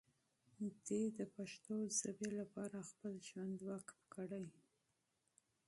دی د پښتو ژبې لپاره خپل ژوند وقف کړی.